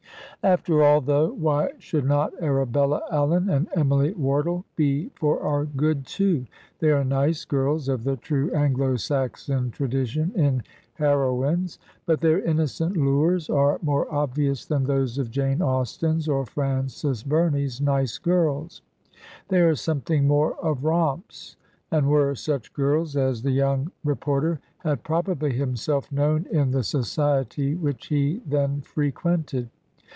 After all, though, why should not Arabella Allen and Emily Wardle be for our good, too? They are nice girls, of the true Anglo Saxon tradition in heroines. But their innocent lures are more obvious than those of Jane Austen's or Frances Bumey's nice girls ; they are something more of romps, and were such girls as the young reporter had probably himself known in the society which he then frequented.